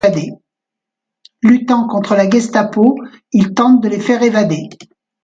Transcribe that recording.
Luttant contre la Gestapo, il tente de les faire évader...